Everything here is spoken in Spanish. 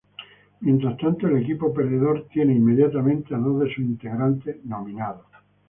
Mientras tanto que el equipo perdedor tiene inmediatamente a dos de sus integrantes nominados.